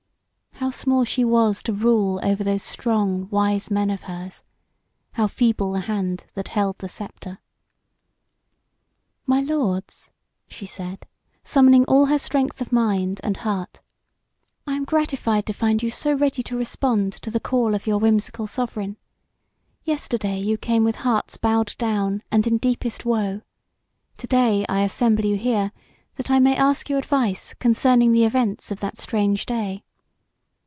How small she was to rule over those strong, wise men of hers; how feeble the hand that held the sceptre. "My lords," she said, summoning all her strength of mind and heart, "I am gratified to find you so ready to respond to the call of your whimsical sovereign. Yesterday you came with hearts bowed down and in deepest woe. To day I assemble you here that I may ask your advice concerning the events of that strange day.